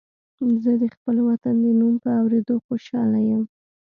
زه د خپل وطن د نوم په اورېدو خوشاله یم